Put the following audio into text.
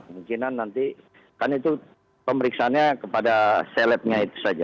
mungkin nanti kan itu pemeriksanya kepada selebnya itu saja